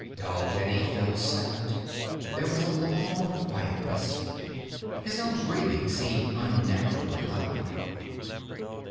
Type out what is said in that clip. Dalgetty fell silent. There was a long quietness. His own breathing seemed unnaturally loud.